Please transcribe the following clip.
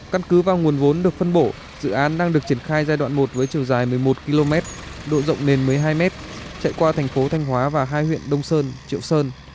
căn cứ và nguồn vốn được phân bổ dự án đang được triển khai giai đoạn một với chiều dài một mươi một km độ rộng nền một mươi hai m chạy qua thành phố thanh hóa và hai huyện đông sơn triệu sơn